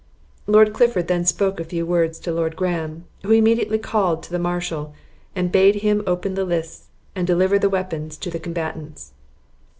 Lord Clifford then spoke a few words to Lord Graham, who immediately called to the marshal, and bade him open the lists, and deliver their weapons to the combatants.